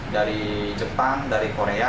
dari jepang dari korea